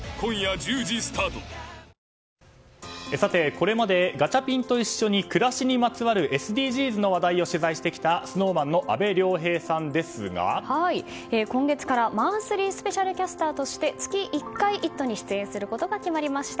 これまでガチャピンと一緒に暮らしにまつわるＳＤＧｓの話題を取材してきたＳｎｏｗＭａｎの今月から、マンスリースペシャルキャスターとして月１回「イット！」に出演することが決まりました。